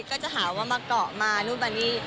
ก็จะหาว่ามาเกาะมานู่นมานี่